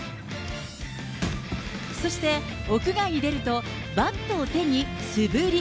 そして、屋外に出ると、バットを手に素振り。